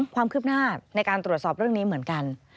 ความคืบหน้าในการตรวจสอบเรื่องนี้เหมือนกัน